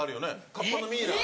カッパのミイラ。